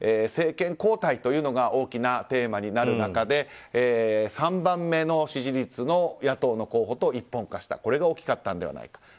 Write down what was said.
政権交代というのが大きなテーマになる中で３番目の支持率の野党の候補と一本化したこれが大きかったのではないか。